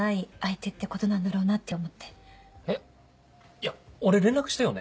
いや俺連絡したよね？